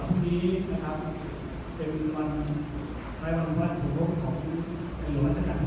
พรุ่งนี้นะครับเป็นวันรายวันวันสุดท้องของหลวงวาชการที่